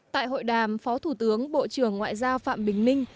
tại hội đàm phó thủ tướng bộ trưởng ngoại giao phạm bình minh